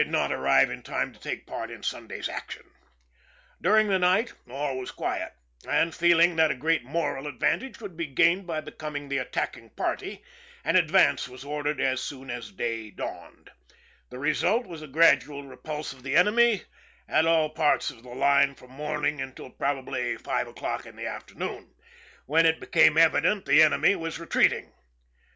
In his more detailed report of April 9th he says: 'ŌĆó During the night [Sunday] all was quiet, and feeling that a great moral advantage would be gained by becoming the attacking party, an advance was ordered as soon as day dawned. The result was a gradual repulse of the enemy at all parts of the line from morning until probably 5 o'clock in the afternoon, when it became evident that the enemy was retreating.